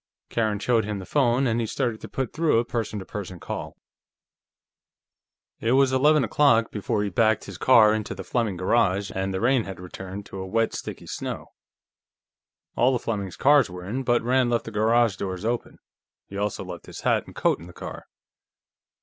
Karen showed him the phone and he started to put through a person to person call. It was eleven o'clock before he backed his car into the Fleming garage, and the rain had turned to a wet, sticky snow. All the Fleming cars were in, but Rand left the garage doors open. He also left his hat and coat in the car.